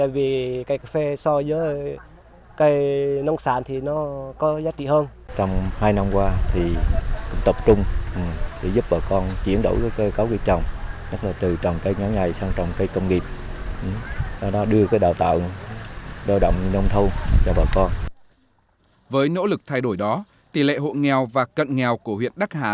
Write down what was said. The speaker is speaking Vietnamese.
với nỗ lực thay đổi đó tỷ lệ hộ nghèo và cận nghèo của huyện đắc hà